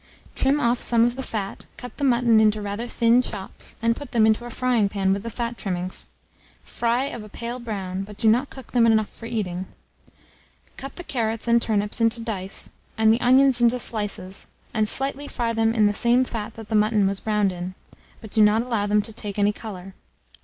Trim off some of the fat, cut the mutton into rather thin chops, and put them into a frying pan with the fat trimmings. Fry of a pale brown, but do not cook them enough for eating. Cut the carrots and turnips into dice, and the onions into slices, and slightly fry them in the same fat that the mutton was browned in, but do not allow them to take any colour.